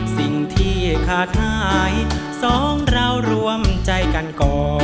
สิ่งที่ขาดหายสองเรารวมใจกันก่อน